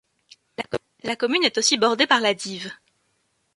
La commune est aussi bordée par la Dives.